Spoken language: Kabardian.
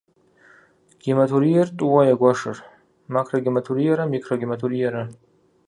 Гематуриер тӏууэ егуэшыр: макрогематуриерэ микрогематуриерэ.